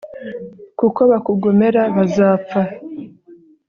kuko bakugomera bazapfa